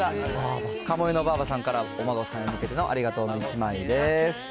かもえのばあばさんからお孫さんに向けてのありがとうの１枚です。